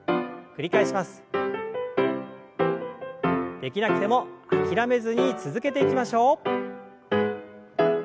できなくても諦めずに続けていきましょう。